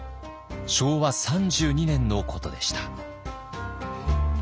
昭和３２年のことでした。